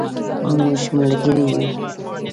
مونږ ملګری یو